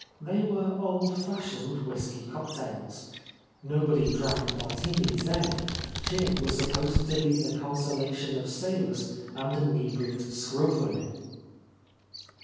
They were old fashioned whiskey cocktails. Nobody drank Martinis then; gin was supposed to be the consolation of sailors and in ebriate scrub women.